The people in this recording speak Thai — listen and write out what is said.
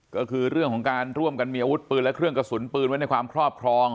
ก็คือเรื่องของการร่วมกันมีอาวุธปืนและเครื่องกระสุนปืนไว้ในความครอบครอง